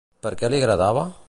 Per què li agradava?